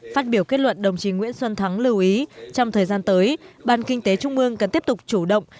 phát biểu kết luận đồng chí nguyễn xuân thắng lưu ý trong thời gian tới ban kinh tế trung mương cần tiếp tục chủ động